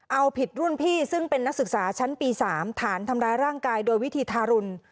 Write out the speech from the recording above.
เอาผิดรุ่นพี่ซึ่งเป็นนักศึกษาชั้นปี๓ฐานทำร้ายร่างกายโดยวิธีทารุณ